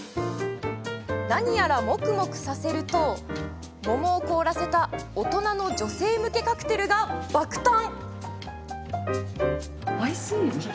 なにやらもくもくさせると桃を凍らせた大人の女性向けカクテルが爆誕！